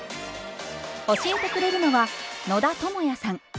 教えてくれるのは野田智也さん。